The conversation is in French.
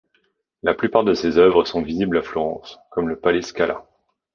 La plupart de ses œuvres sont visibles à Florence, comme le palais Scala.